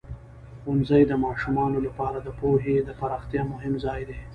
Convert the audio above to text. ښوونځی د ماشومانو لپاره د پوهې د پراختیا مهم ځای دی.